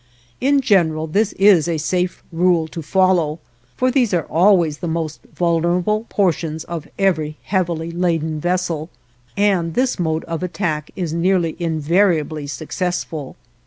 In general this is a safe rule to follow, for these are always the most vulnerable portions of every heavily laden vessel, and this mode of attack is nearly invariably successful.